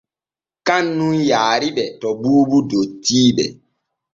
Kan nun yaariɓe to Buubu dottiijo.